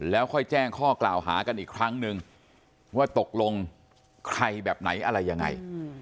แล้วค่อยแจ้งข้อกล่าวหากันอีกครั้งนึงว่าตกลงใครแบบไหนอะไรยังไง